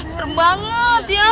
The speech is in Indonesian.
serem banget ya